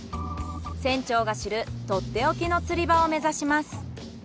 船長が知るとっておきの釣り場を目指します。